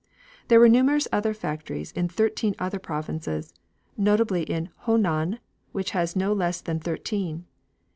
There were numerous other factories in thirteen other provinces, notably in Ho nan, which had no less than thirteen.